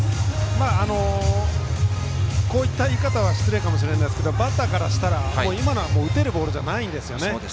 こういう言い方は失礼かもしれませんけどもバッターからすると今は打てるボールではないんですね。